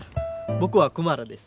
僕はクマラです。